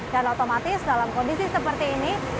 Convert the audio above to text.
dan otomatis dalam kondisi seperti ini